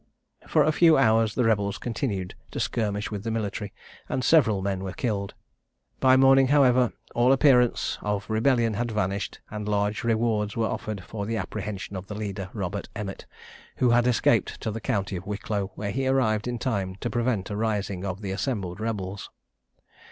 For a few hours the rebels continued to skirmish with the military, and several men were killed. By morning, however, all appearance of rebellion had vanished, and large rewards were offered for the apprehension of the leader, Robert Emmet, who had escaped to the county of Wicklow, where he arrived in time to prevent a rising of the assembled rebels.